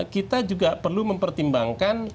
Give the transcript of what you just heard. kita juga perlu mempertimbangkan